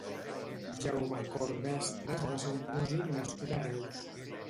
Jaume Cort Mestres va ser un músic nascut a Reus.